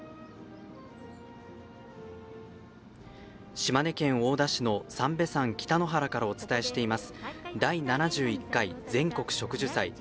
島根県大田市の三瓶山北の原からお伝えしています「第７１回全国植樹祭」。